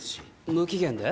無期限で？